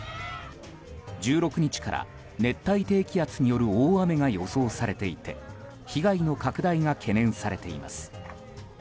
１６日から、熱帯低気圧による大雨が予想されていて被害の拡大が懸念されています。